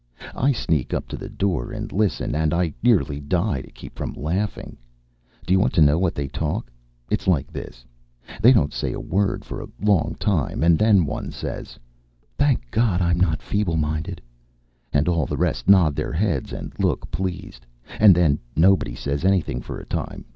I sneak up to the door and listen, and I nearly die to keep from laughing. Do you want to know what they talk? It's like this. They don't say a word for a long time. And then one says, "Thank God I'm not feeble minded." And all the rest nod their heads and look pleased. And then nobody says anything for a time.